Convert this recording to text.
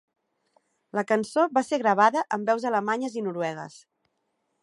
La cançó va ser gravada amb veus alemanyes i noruegues.